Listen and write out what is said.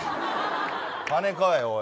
金かい、おい。